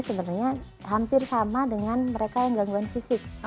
sebenarnya hampir sama dengan mereka yang gangguan fisik